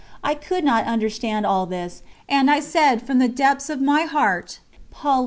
I could not understand all this, and I said from the depths of my heart: "Pauline is lost to me."